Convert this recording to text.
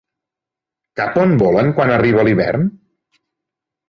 Cap a on volen quan arriba l'hivern?